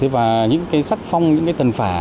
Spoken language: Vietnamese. và những sắt phong những tần phả